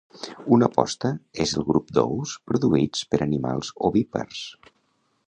Una posta és el grup d'ous produïts per animals ovípars